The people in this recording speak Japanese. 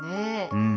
うん。